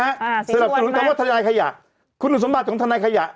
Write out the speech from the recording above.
สีบวนไหมสำหรับสนุนคำว่าทนายขยะคุณหนุ่มสมบัติของทนายขยะ